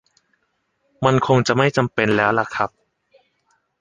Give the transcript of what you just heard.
มันคงจะไม่จำเป็นแล้วล่ะครับ